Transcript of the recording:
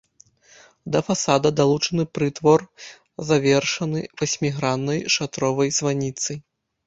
Да фасада далучаны прытвор, завершаны васьміграннай шатровай званіцай.